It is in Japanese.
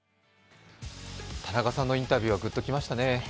田中さんのインタビューはグッときましたね。